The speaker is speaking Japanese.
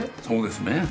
そうですね。